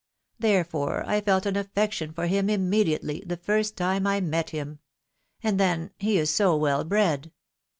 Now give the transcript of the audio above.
Therefore, I felt an affection for him immediately, the first time I met him ; and then, he is so well bred